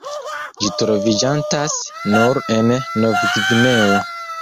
Ĝi troviĝantas nur en Novgvineo.